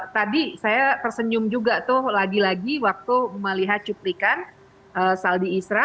tadi saya tersenyum juga tuh lagi lagi waktu melihat cuplikan saldi isra